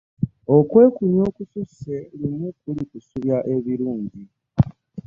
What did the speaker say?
Okwekunya okususse lumu kulikusubya ebirungi.